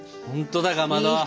ほんとだかまど。